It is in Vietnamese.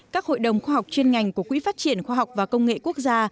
các hội đồng khoa học chuyên ngành của quỹ phát triển khoa học và công nghệ quốc gia